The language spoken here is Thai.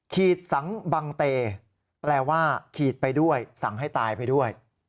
ขีดสังบังเตแปลว่าขีดไปด้วยสั่งให้ตายไปด้วย